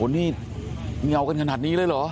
โอ้นี่เงียวกันขนาดนี้เลยเหรอ